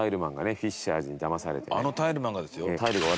あのタイルマンがですよ。